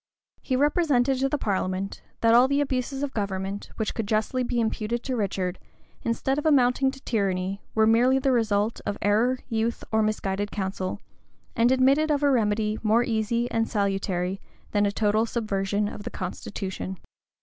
He represented to the parliament, that all the abuses of government which could justly be imputed to Richard, instead of amounting to tyranny, were merely the result of error, youth, or misguided counsel, and admitted of a remedy more easy and salutary than a total subversion of the constitution.